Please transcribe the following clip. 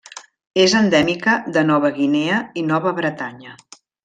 És endèmica de Nova Guinea i Nova Bretanya.